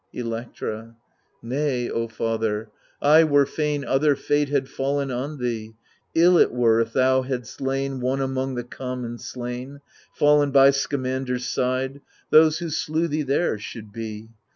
Electra Nay O father, I were fain Other fate had faUen on thee. Ill it were if thou hadst lain One among the conunon slain, Fallen by Scamander's side — Those who slew thee there should be